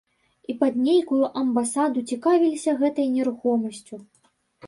І пад нейкую амбасаду цікавіліся гэтай нерухомасцю.